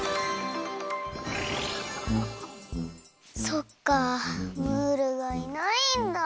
そっかムールがいないんだ。